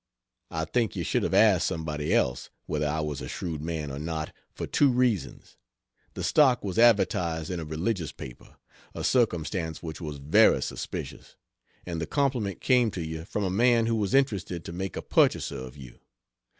I think you should have asked somebody else whether I was a shrewd man or not for two reasons: the stock was advertised in a religious paper, a circumstance which was very suspicious; and the compliment came to you from a man who was interested to make a purchaser of you.